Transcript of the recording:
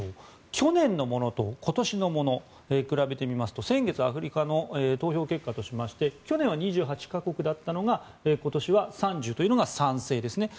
去年のものと今年のもの比べてみますと先月アフリカの投票結果としまして去年は２８か国だったのが今年は３０か国が賛成ですね。